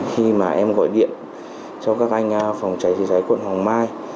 khi mà em gọi điện cho các anh phòng cháy chữa cháy quận hoàng mai